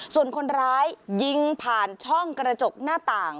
ส่วนคนร้ายยิงผ่านช่องกระจกหน้าต่าง